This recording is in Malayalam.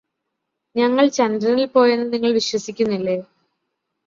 ഞങ്ങൾ ചന്ദ്രനിൽ പോയെന്നു നിങ്ങള് വിശ്വസിക്കുന്നില്ലേ